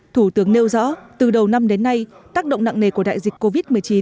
thủ tướng nêu rõ từ đầu năm đến nay tác động nặng nề của đại dịch covid một mươi chín